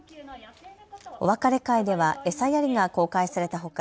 お別れ会では餌やりが公開されたほか